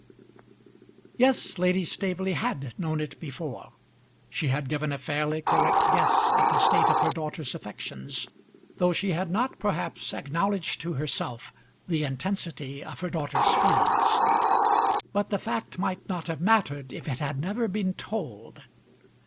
Yes, Lady Staveley had known it before. She had given a fairly correct guess at the state of her daughter's affections, though she had not perhaps acknowledged to herself the intensity of her daughter's feelings. But the fact might not have mattered if it had never been told.